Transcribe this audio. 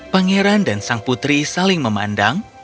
pangeran dan sang putri saling memandang